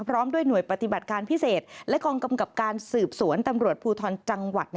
พร้อมด้วยหน่วยปฏิบัติการพิเศษและกองกำกับการสืบสวนตำรวจภูทรจังหวัด